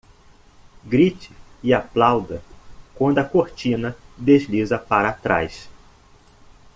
Grite e aplauda quando a cortina desliza para trás.